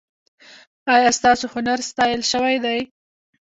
ایا ستاسو هنر ستایل شوی دی؟